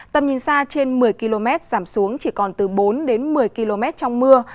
tầm nhìn xa trên một mươi km giảm xuống chỉ còn từ bốn đến một mươi km trong mưa